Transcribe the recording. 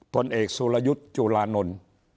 ตนเอกสุลยุทธ์จูลานนล